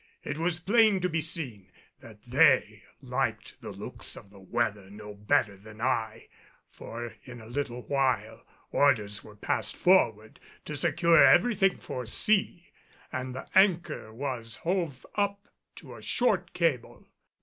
It was plain to be seen that they liked the looks of the weather no better than I, for in a little while orders were passed forward to secure everything for sea, and the anchor was hove up to a short cable.